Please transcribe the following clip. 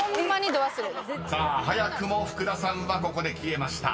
［さあ早くも福田さんはここで消えました。